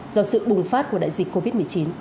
do sự bùng phát của đại dịch covid một mươi chín